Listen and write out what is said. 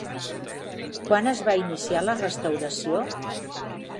Quan es va iniciar la restauració?